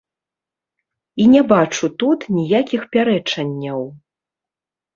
І не бачу тут ніякіх пярэчанняў.